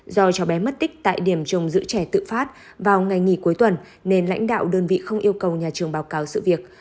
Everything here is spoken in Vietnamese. do chó bé mất tích tại điểm trồng giữ trẻ tự phát vào ngày nghỉ cuối tuần nên lãnh đạo đơn vị không yêu cầu nhà trường báo cáo sự việc